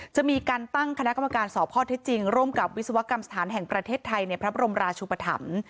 จะมีการตั้งคณะกรรมการสอบข้อเท็จจริงร่วมกับวิศวกรรมสถานแห่งประเทศไทยในพระบรมราชุปธรรม